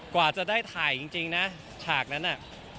กว่าจะได้ถ่ายจริงนะฉากนั้นน่ะ